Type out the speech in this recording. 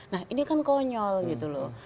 nah ini kan konyol gitu loh